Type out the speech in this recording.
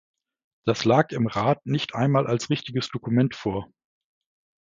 Das lag im Rat nicht einmal als richtiges Dokument vor.